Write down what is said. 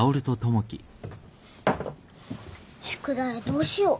宿題どうしよう。